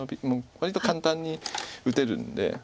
割と簡単に打てるんで。